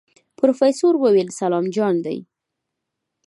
پروفيسر وويل سلام جان دی.